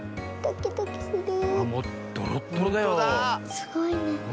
すごいね。